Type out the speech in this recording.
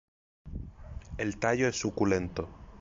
El tallo es suculento.